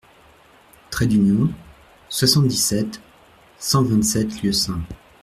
Trait d'Union, soixante-dix-sept, cent vingt-sept Lieusaint